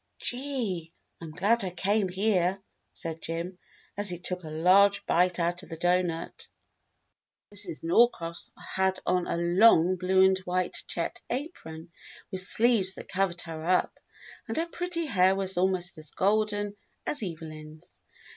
"Gee! I'm glad I came here," said Jim, as he took a large bite out of the doughnut. JIM AND THE ORPHANS 111 Mrs. Norcross had on a long blue and white checked apron with sleeves that covered her up, and her pretty hair was almost as golden as Evelyn's.